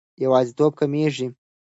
یوازیتوب کمېږي.